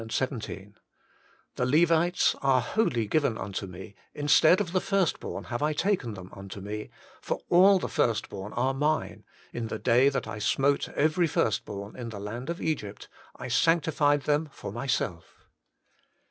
16, 17): 'The Levites are wholly given unto me ; instead of the first born have I taken them unto me; for all the first born are mine; in the day that I smote every first born in the land of Egypt / sanctified them for myself.'